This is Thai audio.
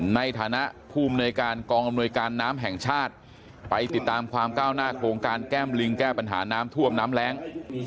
ในฐานะผู้อำนวยการกองอำนวยการน้ำแห่งชาติไปติดตามความก้าวหน้าโครงการแก้มลิงแก้ปัญหาน้ำท่วมน้ำแรง